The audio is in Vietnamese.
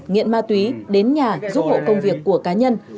nghiện ma túy đến nhà giúp hộ công việc của cá nhân